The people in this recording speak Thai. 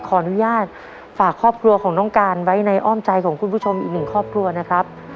ขออนุญาตฝากครอบครัวของน้องการไว้ในอ้อมใจของคุณผู้ชมอีกหนึ่งครอบครัวนะครับ